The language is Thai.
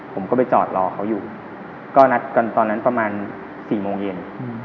ผมก็ไปจอดรอเขาอยู่ก็นัดกันตอนนั้นประมาณ๔โมงเย็น